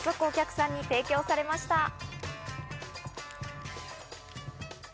早速、お客さんに提供されました。